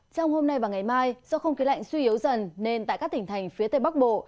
trong hôm nay và ngày mai do không khí lạnh suy yếu dần nên tại các tỉnh thành phía tây bắc bộ